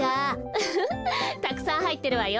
ウフフたくさんはいってるわよ。